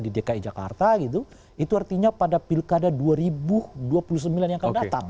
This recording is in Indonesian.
di dki jakarta gitu itu artinya pada pilkada dua ribu dua puluh sembilan yang akan datang